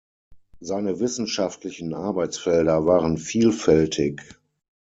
Seine wissenschaftlichen Arbeitsfelder waren vielfältig.